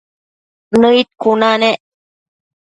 Nëid cuna nec